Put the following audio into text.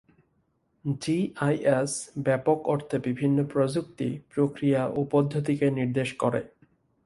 G I S ব্যপক অর্থে বিভিন্ন প্রযুক্তি, প্রক্রিয়া ও পদ্ধতিকে নির্দেশ করে।